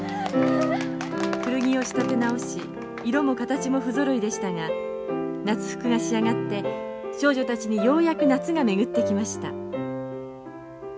古着を仕立て直し色も形も不ぞろいでしたが夏服が仕上がって少女たちにようやく夏が巡ってきました。